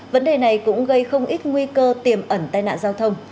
vấn đề này cũng gây không ít nguy cơ tiềm ẩn tai nạn giao thông